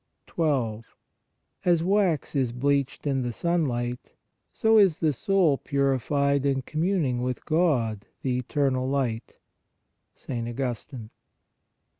12. As wax is bleached in the sunlight, so is the soul purified in communing with God, the Eternal Light (St. Augustine).